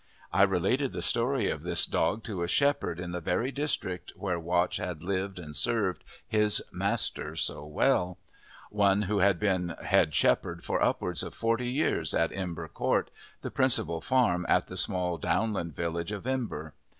I related the story of this dog to a shepherd in the very district where Watch had lived and served his master so well one who had been head shepherd for upwards of forty years at Imber Court, the principal farm at the small downland village of Imber.